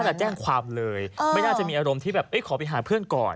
จะแจ้งความเลยไม่น่าจะมีอารมณ์ที่แบบขอไปหาเพื่อนก่อน